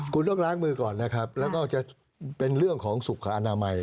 คุณต้องล้างมือก่อนนะครับแล้วก็จะเป็นเรื่องของสุขอนามัย